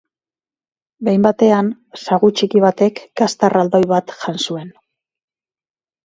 Behin batean sagu txiki batek gazta erraldoi bat jan zuen.